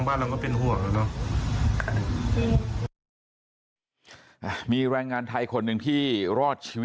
สิได้กลับมาเหรอกำลังว่าสิเกี๊บเงินไส้มีไส้แสิน